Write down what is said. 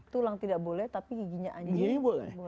tulang tidak boleh tapi giginya anjing